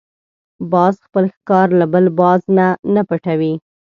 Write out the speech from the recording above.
باز خپل ښکار له بل باز نه پټوي